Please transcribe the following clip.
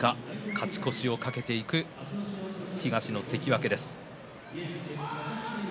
勝ち越しを懸けていく東の関脇です。